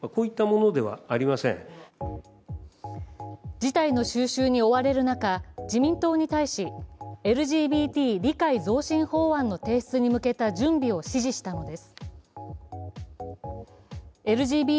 事態の収拾に追われる中、自民党に対しＬＧＢＴ理解増進法案の提出に向けた準備を指示したのです。